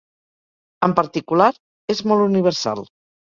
En particular, és molt universal.